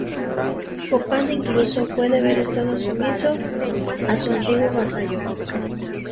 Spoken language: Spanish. Copán incluso puede haber estado sumiso a su antiguo vasallo.